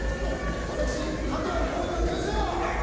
私加藤浩次の点数は。